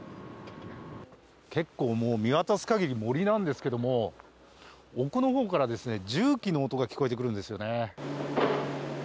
結構、見渡す限り森なんですけども奥のほうから重機の音が聞こえてくるんですよね。